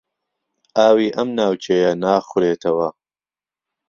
ئاوی ئەم ناوچەیە ناخورێتەوە.